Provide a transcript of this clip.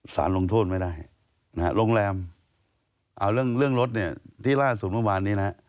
ลงโทษไม่ได้นะฮะโรงแรมเอาเรื่องเรื่องรถเนี่ยที่ล่าสุดเมื่อวานนี้นะฮะ